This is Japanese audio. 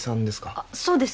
あっそうです